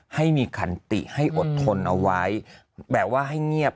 ให้มีขันติให้อดทนเอาไว้แบบว่าให้เงียบ